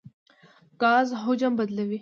ګاز حجم بدلوي.